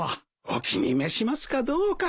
お気に召しますかどうか。